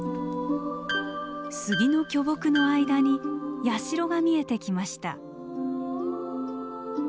杉の巨木の間に社が見えてきました。